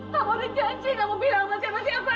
kamu sudah janji kamu bilang sama siapa siapa